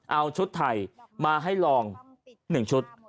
เอาชุดไทยมาให้ลอง๑ชุด